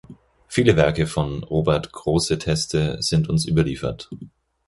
Viele Werke von Robert Grosseteste sind uns überliefert.